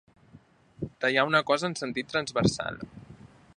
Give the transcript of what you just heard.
Tallar una cosa en sentit transversal.